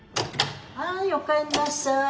はいおかえんなさい。